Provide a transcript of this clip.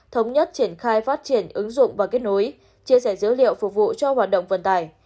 thống nhất triển khai phát triển ứng dụng và kết nối chia sẻ dữ liệu phục vụ cho hoạt động vận tải